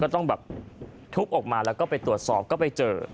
ต้องแบบทุบออกมาแล้วก็ไปตรวจสอบก็ไปเจอ